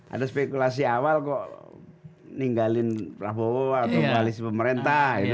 ada spekulasi awal kok ninggalin prabowo atau koalisi pemerintah gitu